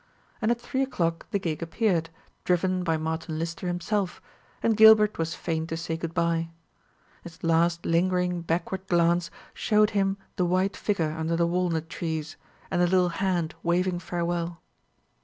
And at three o'clock the gig appeared, driven by Martin Lister himself, and Gilbert was fain to say good bye. His last lingering backward glance showed him the white figure under the walnut trees, and a little hand waving farewell.